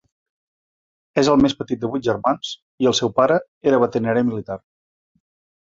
És el més petit de vuit germans, i el seu pare era veterinari militar.